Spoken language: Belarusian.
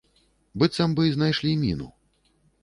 Быццам бы знайшлі міну.